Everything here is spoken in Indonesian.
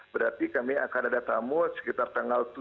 berarti kami akan ada tamu sekitar tanggal tujuh